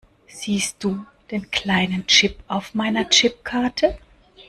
Siehst du den kleinen Chip auf meiner Chipkarte?